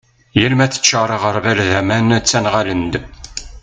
yal ma teččar aγerbal d aman ttenγalen-d